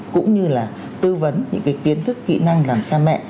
cũng như là tư vấn những cái kiến thức kỹ năng làm cha mẹ